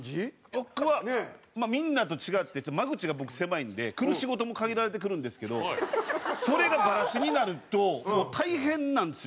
僕はみんなと違って間口が僕狭いんで来る仕事も限られてくるんですけどそれがバラシになるともう大変なんですよ。